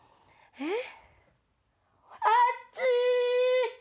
えっ⁉